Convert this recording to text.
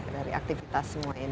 dari aktivitas semua ini